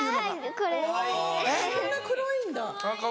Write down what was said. こんな黒いんだ。